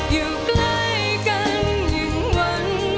อยู่ใกล้กันยังหวั่นไหว